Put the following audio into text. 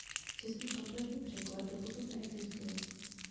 Český kompletní překlad doposud neexistuje.